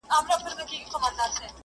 o څې کوې، چي نې کوې!